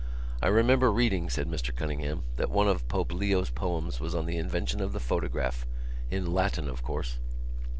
"I remember reading," said Mr Cunningham, "that one of Pope Leo's poems was on the invention of the photograph—in Latin, of course."